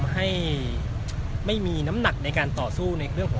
ไม่ใช่นี่คือบ้านของคนที่เคยดื่มอยู่หรือเปล่า